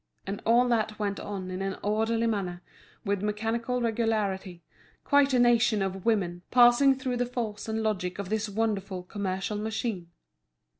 And all that went on in an orderly manner, with mechanical regularity, quite a nation of women passing through the force and logic of this wonderful commercial machine.